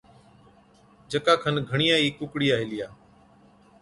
جڪا کن گھڻِيا ئِي ڪُوڪڙِيا هِلِيا۔